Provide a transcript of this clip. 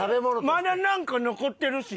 まだなんか残ってるし。